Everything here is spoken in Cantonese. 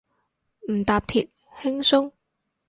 唔搭鐵，輕鬆